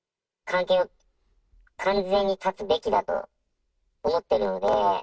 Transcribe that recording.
関係を完全に断つべきだと思ってるので。